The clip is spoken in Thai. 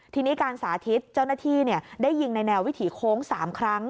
ทีนี้การสาธิตเจ้าหน้าที่ได้ยิงในแนววิถีโค้ง๓ครั้ง